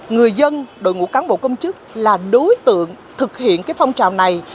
người dân đội ngũ cán bộ công chức là đối tượng thực hiện phong trào này